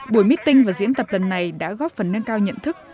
buổi miết tinh và diễn tập lần này đã góp phần nâng cao nhận thức